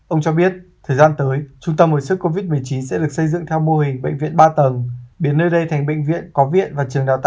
ông cho biết thời gian tới trung tâm hồi sức covid một mươi chín sẽ được xây dựng theo mô hình bệnh viện ba tầng biến nơi đây thành bệnh viện có viện và trường đào tạo